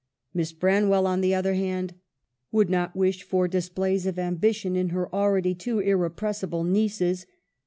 Miss Branwell, on the other hand, would not wish for displays of ambition in her already too irrepres sible nieces.